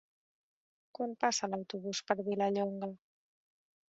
Quan passa l'autobús per Vilallonga?